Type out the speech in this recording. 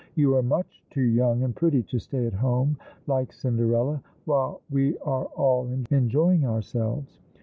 " You are much too young and pretty to stay at home, like Cinderella, while we arc all enjoying ourselves.